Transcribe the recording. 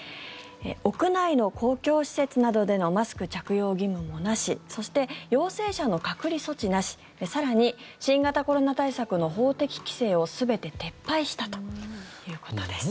屋内の公共施設などでのマスク着用義務もなしそして、陽性者の隔離措置なし更に新型コロナ対策の法的規制を全て撤廃したということです。